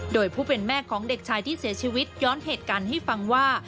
โดยผู้เป็นแม่ของเด็กชายที่เสียชีวิตย้อนเหตุการณ์ให้ฟังว่า